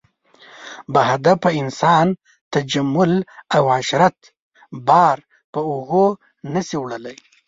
باهدفه انسان تجمل او عشرت بار په اوږو نه شي وړلی.